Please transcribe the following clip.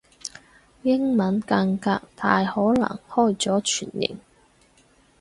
英文間隔大可能開咗全形